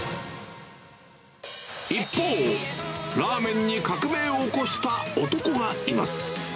一方、ラーメンに革命を起こした男がいます。